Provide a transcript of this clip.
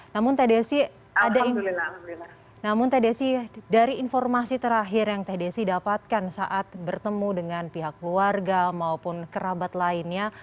namun teh desi dari informasi terakhir yang teh desi dapatkan saat bertemu dengan pihak keluarga maupun kerabat lainnya